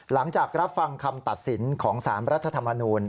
หลังจากรับฟังคำตัดสินของสารรัฐธรรมนูล